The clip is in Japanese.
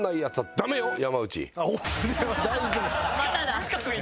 俺は大丈夫です。